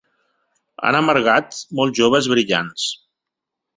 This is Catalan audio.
Han amargat molts joves brillants.